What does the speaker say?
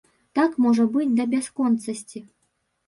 Так можа быць да бясконцасці.